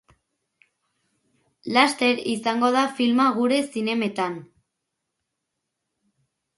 Laster izango da filma gure zinemetan.